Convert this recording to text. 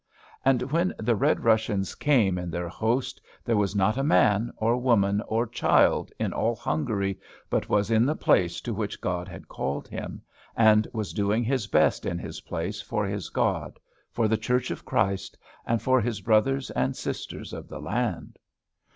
And when the Red Russians came in their host, there was not a man, or woman, or child in all Hungary but was in the place to which God had called him, and was doing his best in his place for his God, for the Church of Christ, and for his brothers and sisters of the land.